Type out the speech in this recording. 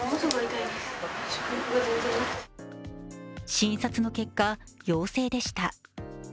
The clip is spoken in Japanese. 診察の結果、陽性でした。